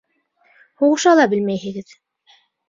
Һуғыша ла белмәйһегеҙ.